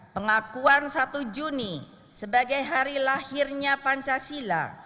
pengakuan satu juni sebagai hari lahirnya pancasila